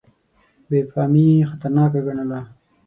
بې پامي یې خطرناکه ګڼله.